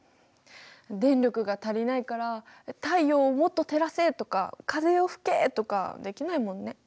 電力が足りないから太陽をもっと照らせ！とか風よ吹け！とかできないもんね。